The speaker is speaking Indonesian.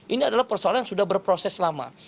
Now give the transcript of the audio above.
ini adalah persoalan yang sudah berproses lama